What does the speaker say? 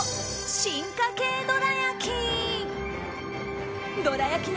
進化系どら焼き。